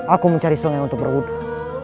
aku mencari sungai untuk berhutang